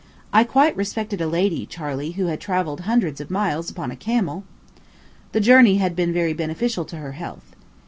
I quite respected a lady, Charley, who had travelled hundreds of miles upon a camel. The journey had been very beneficial to her health.